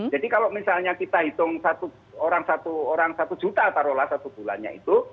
jadi kalau misalnya kita hitung orang satu juta taruhlah satu bulannya itu